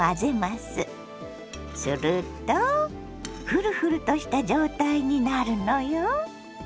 するとフルフルとした状態になるのよ！